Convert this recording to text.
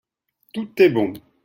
Tout est bon.